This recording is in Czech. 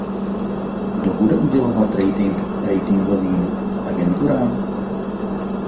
Kdo bude udělovat rating ratingovým agenturám?